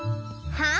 はあ！